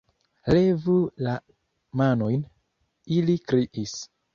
"Levu la manojn", ili kriis.